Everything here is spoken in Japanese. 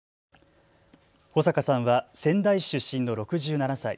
保坂さんは仙台市出身の６７歳。